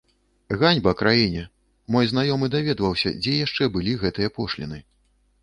Ганьба краіне, мой знаёмы даведваўся, дзе яшчэ былі гэтыя пошліны.